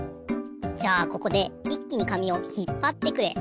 じゃあここでいっきに紙をひっぱってくれ。